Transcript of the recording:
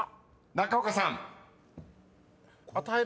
［中岡さん］